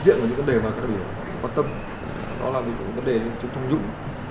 rất là trực diện và rất là quan tâm đó là những vấn đề chúng ta dùng